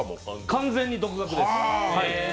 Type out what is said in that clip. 完全に独学です。